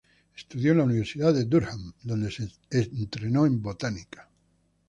Estudió en la Universidad de Durham, donde se entrenó en botánica.